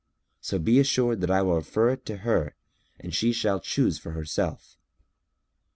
So be assured that I will refer it to her and she shall choose for herself."